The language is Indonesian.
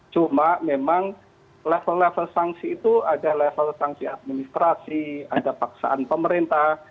cuma memang level level sanksi itu ada level sanksi administrasi ada paksaan pemerintah